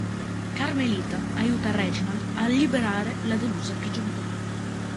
Carmelita aiuta Reginald a liberare la delusa prigioniera.